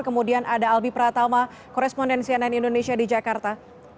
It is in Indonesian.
kemudian ada albi pratama korespondensi ann indonesia di jakarta